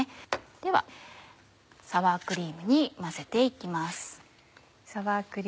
ではサワークリームに混ぜて行きます。